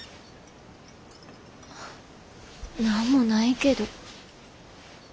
何もないけど。